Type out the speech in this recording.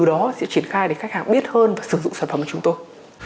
đó sẽ triển khai để khách hàng biết hơn và sử dụng sản phẩm của chúng tôi